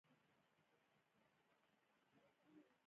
د کاهو ګل د ارام لپاره وکاروئ